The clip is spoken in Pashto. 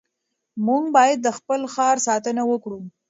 موږ باید د خپل ښار ساتنه وکړو.